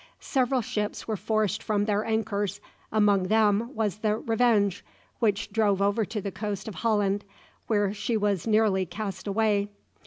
Several ships were forced from their anchors: among them was the "Revenge," which drove over to the coast of Holland, where she was nearly cast away.